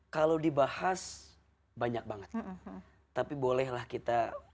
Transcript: kalau dibahas banyak banget